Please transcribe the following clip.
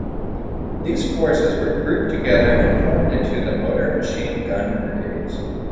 These forces were grouped together and formed into the motor machine gun brigades.